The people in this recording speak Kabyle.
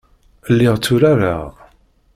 Lliɣ tturareɣ.